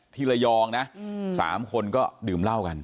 ที่ระยองนะ๓คนก็ดื่มเหล้ากัน